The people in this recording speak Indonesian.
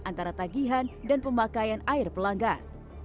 antara tagihan dan pemakaian air pelanggan